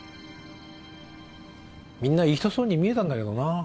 みんないい人そうに見えたんだけどな。